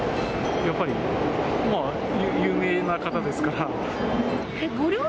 やっぱり有名な方ですから。